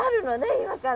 今から。